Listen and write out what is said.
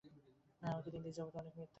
আমার তিন দিন যাবৎ অনেক মাথা ব্যথা।